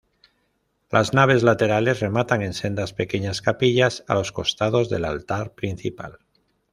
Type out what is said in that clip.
Las naves laterales rematan en sendas pequeñas capillas a los costados del altar principal.